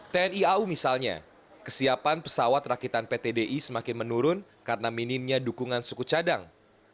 tni au misalnya kesiapan pesawat rakitan pt di semakin menurun karena minimnya dukungan suku cadang